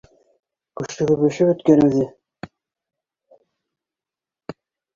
Күшегеп өшөп бөткән үҙе